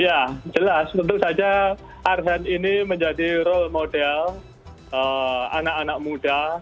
ya jelas tentu saja arsen ini menjadi role model anak anak muda